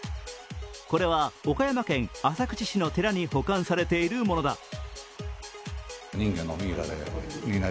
これは岡山県浅口市の寺に保管されているものだ。